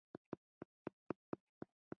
د نورو کسانو پر راتګ محدودیتونه وضع شول.